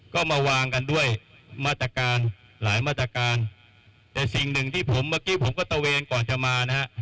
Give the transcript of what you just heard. ก็มาวางกันด้วยมาตรการหลายมาตรการแต่สิ่งหนึ่งที่ผมเมื่อกี้ผมก็ตะเวนก่อนจะมานะฮะ